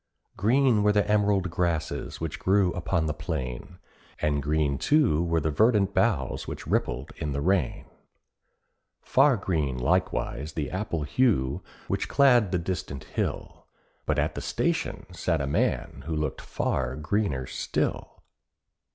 Green were the emerald grasses which grew upon the plain, And green too were the verdant boughs which rippled in the rain, Far green likewise the apple hue which clad the distant hill, But at the station sat a man who looked far greener still.